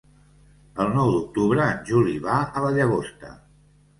El nou d'octubre en Juli va a la Llagosta.